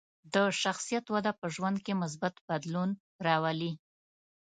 د شخصیت وده په ژوند کې مثبت بدلون راولي.